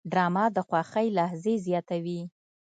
ډرامه د خوښۍ لحظې زیاتوي